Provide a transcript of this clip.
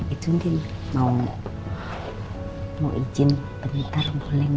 itu nih mau izin bentar boleh gak